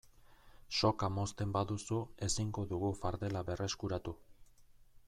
Soka mozten baduzu ezingo dugu fardela berreskuratu.